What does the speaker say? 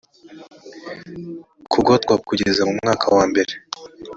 kugotwa kugeza mu mwaka wa mbere